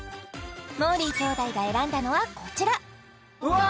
もーりー兄弟が選んだのはこちらわあ！